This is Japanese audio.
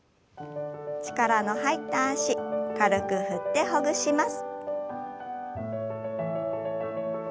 力の入った脚軽く振ってほぐします。